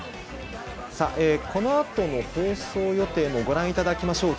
このあとの放送予定もご覧いただきましょう。